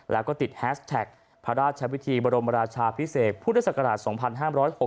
แล้วก็ติดแฮสแท็กพระราชวิธีบรมราชาพิเศษพุทธศักราช๒๕๖๖